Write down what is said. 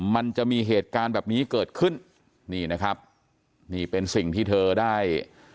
มันจะมีเหตุการณ์แบบนี้เกิดขึ้นนี่นะครับนี่เป็นสิ่งที่เธอได้